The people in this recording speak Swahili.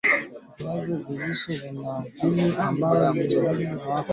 viazi lishe vina madini ambayo ni muhimu kwa afya